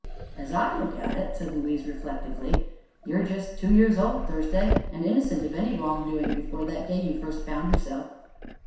"As I look at it," said Louise reflectively, "you are just two years old, Thursday, and innocent of any wrongdoing before that day you first found yourself."